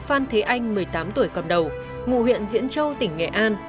anh một mươi tám tuổi cầm đầu ngụ huyện diễn châu tỉnh nghệ an